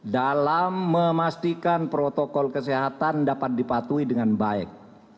dalam memastikan protokol kesehatan dapat dipatuhi dengan baik